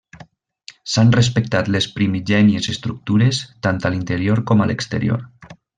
S'han respectat les primigènies estructures, tant a l'interior com a l'exterior.